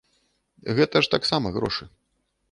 Гэта ж таксама грошы.